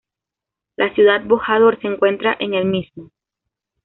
La ciudad Bojador se encuentra en el mismo.